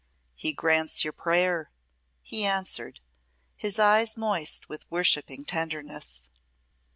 "He grants your prayer," he answered, his eyes moist with worshipping tenderness.